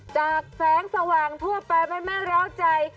จากแสงสว่างทั่วไปมันไม่ร้าวใจ